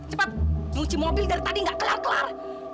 cepat nyuci mobil dari tadi nggak kelar kelar